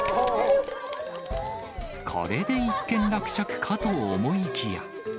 これで一件落着かと思いきや。